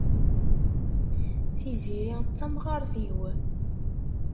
Tiziri d tamɣart-iw.